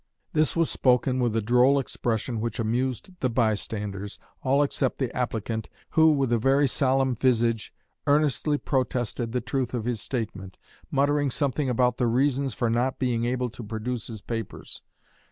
This was spoken with a droll expression which amused the bystanders, all except the applicant, who with a very solemn visage earnestly protested the truth of his statement, muttering something about the reasons for not being able to produce his papers.